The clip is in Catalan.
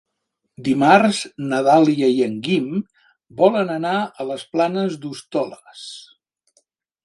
Dimarts na Dàlia i en Guim volen anar a les Planes d'Hostoles.